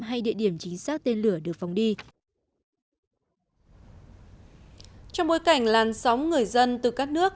hay địa điểm chính xác tên lửa được phóng đi trong bối cảnh làn sóng người dân từ các nước